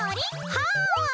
はい！